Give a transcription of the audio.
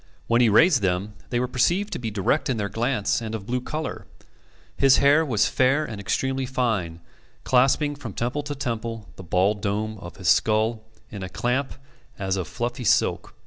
When he raised them, they were perceived to be direct in their glance and of blue colour. His hair was fair and extremely fine, clasping from temple to temple the bald dome of his skull in a clamp as of fluffy silk.